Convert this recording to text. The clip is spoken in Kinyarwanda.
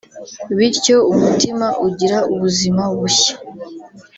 bityo umutima ugira ubuzima bushya